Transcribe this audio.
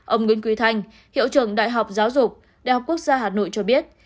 ông nguyễn quy thanh hiệu trường đại học giáo dục đại học quốc gia hà nội cho biết